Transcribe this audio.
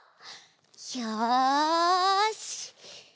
よし！